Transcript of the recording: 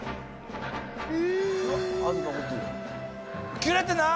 切れてない！